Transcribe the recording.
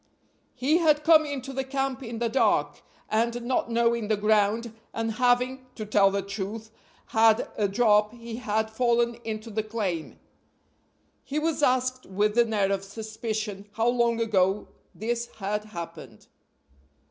"He had come into the camp in the dark, and, not knowing the ground, and having (to tell the truth) had a drop, he had fallen into the claim." He was asked with an air of suspicion how long ago this had happened.